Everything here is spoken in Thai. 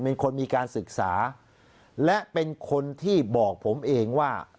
เป็นคนมีการศึกษาและเป็นคนที่บอกผมเองว่า